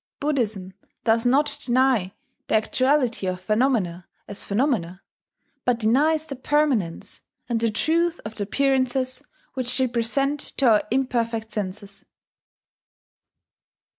Buddhism does not deny the actuality of phenomena as phenomena, but denies their permanence, and the truth of the appearances which they present to our imperfect senses.